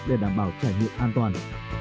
để đảm bảo trải nghiệm an toàn